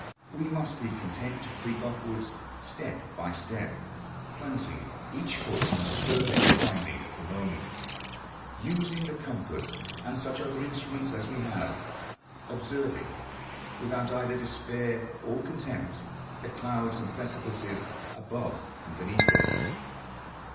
We must be content to creep upwards step by step; planting each foot on the firmest finding of the moment; using the compass and such other instruments as we have; observing without either despair or contempt the clouds and precipices above and beneath us.